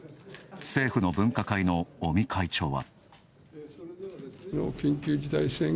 政府の分科会の尾身会長は。